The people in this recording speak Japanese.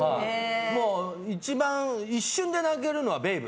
一番、一瞬で泣けるのは「ベイブ」。